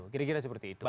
kira kira seperti itu